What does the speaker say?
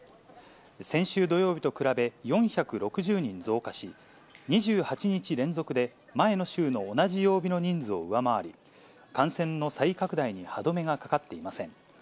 先週土曜日と比べ４６０人増加し、２８日連続で前の週の同じ曜日の人数を上回り、感染の再拡大に歯止めがかかっていません。